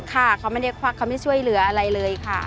ค่ะเขาไม่ได้ควักเขาไม่ช่วยเหลืออะไรเลยค่ะ